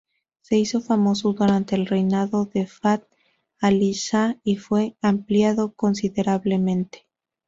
Se hizo famoso durante el reinado de Fath Alí Sah y fue ampliado considerablemente.